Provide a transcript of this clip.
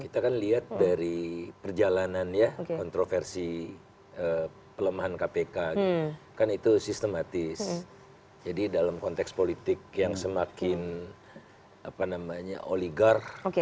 kita kan lihat dari perjalanan ya kontroversi pelemahan kpk kan itu sistematis jadi dalam konteks politik yang semakin apa namanya oligar